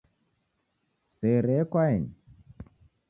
Sere yekwaeni